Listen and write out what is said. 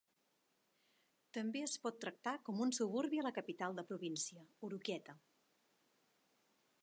També es pot tractar con un suburbi a la capital de província, Oroquieta.